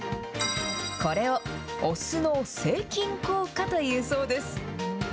これをお酢の静菌効果というそうです。